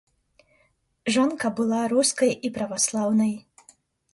Жонка была рускай і праваслаўнай.